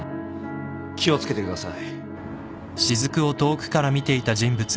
気を付けてください。